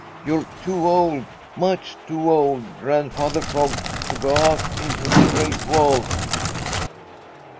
You're too old, much too old, Grandfather Frog, to go out into the Great World."